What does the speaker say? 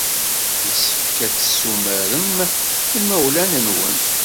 Yessefk ad tessumarem imawlan-nwen.